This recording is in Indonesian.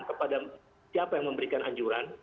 kepada siapa yang memberikan anjuran